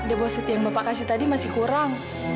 deposit yang bapak kasih tadi masih kurang